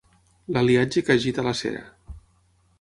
L'aliatge que agita la cera.